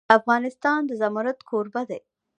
افغانستان د زمرد کوربه دی.